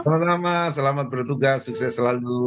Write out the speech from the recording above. selamat selamat bertugas sukses selalu